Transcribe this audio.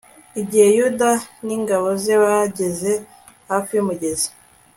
igihe yuda n'ingabo ze bageze hafi y'umugezi